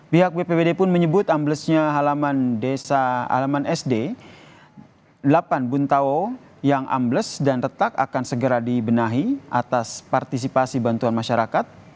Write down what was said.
pihak bpbd pun menyebut amblesnya halaman desa halaman sd delapan buntao yang ambles dan retak akan segera dibenahi atas partisipasi bantuan masyarakat